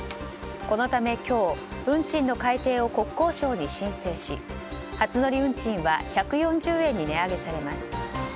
このため今日、運賃の改定を国交省に申請し初乗り運賃は１４０円に値上げされます。